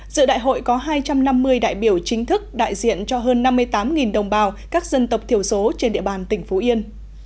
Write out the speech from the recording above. giữa đại hội có hai trăm năm mươi đại biểu chính thức đại diện cho hơn năm mươi tám đồng bào các dân tộc thiểu số trên địa bàn tỉnh phú yên